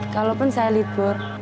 kalaupun saya libur